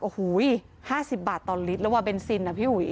โอ้โหหวิห้าสิบบาทต่อลิตรแล้วว่าเบนซินอ่ะพี่หุย